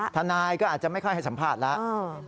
ทนายก็อาจจะไม่ค่อยให้สัมภาษณ์แล้ว